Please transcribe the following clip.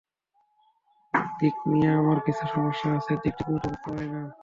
দিক নিয়ে আমার কিছু সমস্যা আছে, দিক ঠিকমতো বুঝতে পারি না।